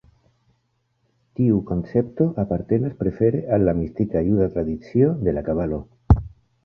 Tiu koncepto apartenas prefere al la mistika juda tradicio de la Kabalo.